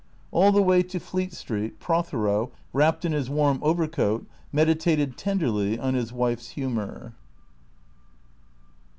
All the way to Fleet Street, Prothero, wrapped in his warm overcoat, meditated tenderly on his wife's humour.